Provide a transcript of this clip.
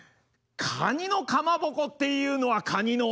かにのかまぼこっていうのはかにの。